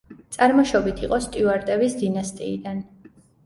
წარმოშობით იყო სტიუარტების დინასტიიდან.